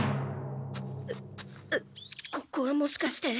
ここはもしかして。